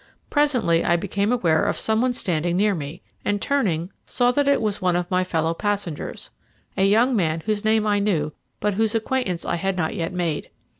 Presently I became aware of some one standing near me, and, turning, saw that it was one of my fellow passengers, a young man whose name I knew but whose acquaintance I had not yet made.